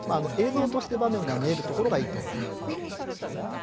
映像として場面が見えるところがいいと思います。